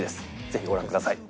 ぜひご覧ください。